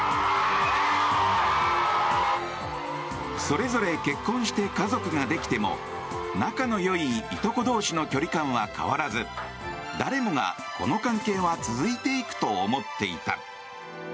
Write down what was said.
それぞれ結婚して家族ができても仲の良いいとこ同士の距離感は変わらず誰もがこの関係は続いていくと思っていた。